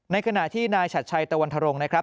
ขณะที่นายฉัดชัยตะวันธรงค์นะครับ